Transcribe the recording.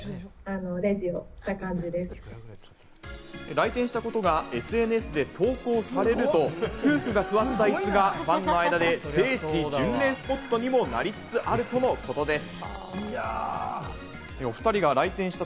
来店したことがＳＮＳで投稿されると、夫婦が座ったイスがファンの間で聖地巡礼スポットにもなりつつあるとのことです。